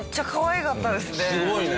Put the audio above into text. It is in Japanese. すごいね。